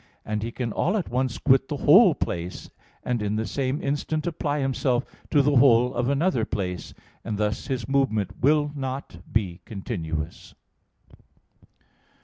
And he can all at once quit the whole place, and in the same instant apply himself to the whole of another place, and thus his movement will not be continuous.